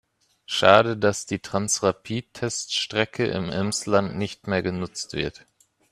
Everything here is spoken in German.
Schade, dass die Transrapid-Teststrecke im Emsland nicht mehr genutzt wird.